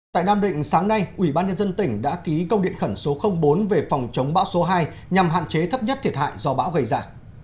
tại nam định sáng nay ủy ban nhân dân tỉnh đã ký công điện khẩn số bốn về phòng chống bão số hai nhằm hạn chế thấp nhất thiệt hại do bão gây ra